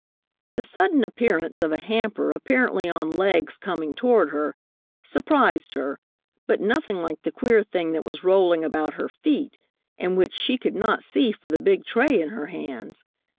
The sudden appearance of a hamper apparently on legs coming toward her, surprised her, but nothing like the queer thing that was rolling about her feet, and which she could not see for the big tray in her hands.